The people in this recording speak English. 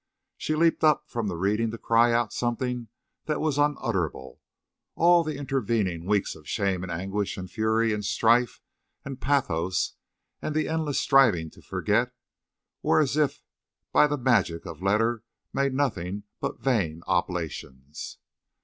She leaped up from the reading to cry out something that was unutterable. All the intervening weeks of shame and anguish and fury and strife and pathos, and the endless striving to forget, were as if by the magic of a letter made nothing but vain oblations.